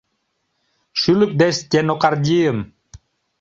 Шӱлык деч — стенокардийым